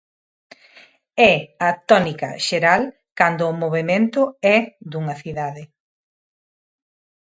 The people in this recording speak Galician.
É a tónica xeral cando o movemento é dunha cidade.